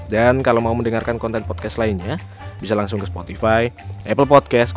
dan kalau mau mendengarkan konten podcast lainnya bisa langsung ke spotify apple podcast com